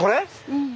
うん。